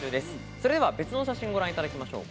それでは別の写真をご覧いただきましょう。